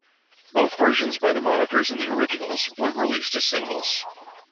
Both versions by the Monitors and the Originals weren't released as singles.